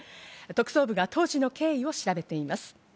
特捜部が当時の経緯を調べています。